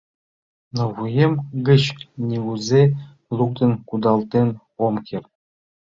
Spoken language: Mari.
Но вуем гыч нигузе луктын кудалтен ом керт».